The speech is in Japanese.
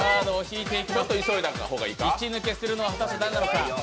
一抜けするのは果たして誰なのか。